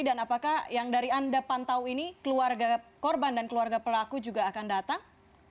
dan apakah yang dari anda pantau ini keluarga korban dan keluarga pelaku juga akan datang